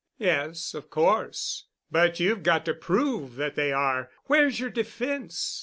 "Yes, of course. But you've got to prove that they are. Where's your defense?